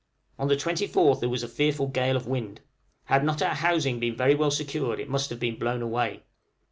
On the 24th there was a fearful gale of wind. Had not our housing been very well secured, it must have been blown away.